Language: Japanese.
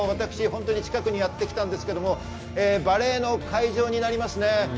近くにやってきたんですけれども、バレーの会場になります。